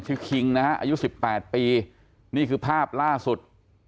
ชื่อคิงนะฮะอายุ๑๘ปีนี่คือภาพล่าสุด